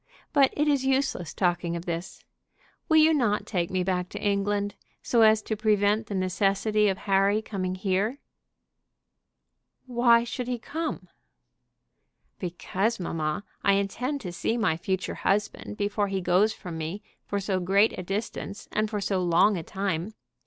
But it is useless talking of this. Will you not take me back to England, so as to prevent the necessity of Harry coming here?" "Why should he come?" "Because, mamma, I intend to see my future husband before he goes from me for so great a distance, and for so long a time.